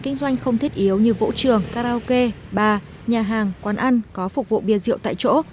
kinh doanh không thiết yếu như vũ trường karaoke bà nhà hàng quán ăn có phục vụ bia rượu tại chỗ